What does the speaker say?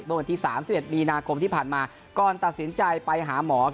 เมื่อวันที่๓๑มีนาคมที่ผ่านมาก่อนตัดสินใจไปหาหมอ